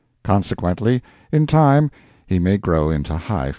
Consequently, in time, he may grow into high favor.